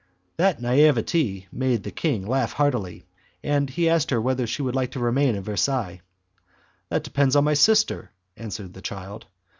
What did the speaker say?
That naivete made the king laugh heartily, and he asked her whether she would like to remain in Versailles. "That depends upon my sister," answered the child.